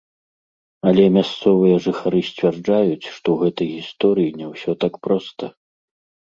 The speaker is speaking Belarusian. Але мясцовыя жыхары сцвярджаюць, што ў гэтай гісторыі не ўсё так проста.